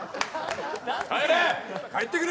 帰れ！